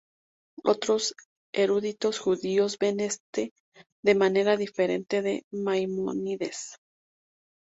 Otros eruditos judíos ven esto de manera diferente de Maimónides.